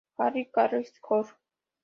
Harry Carey, Jr.